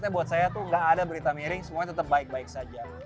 buat saya tuh gak ada berita miring semuanya tetap baik baik saja